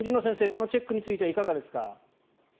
このチェックについてはいかがですか？